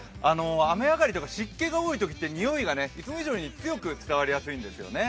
雨上がりとか湿気が多いときって匂いがいつも以上に強く伝わりやすいんですよね。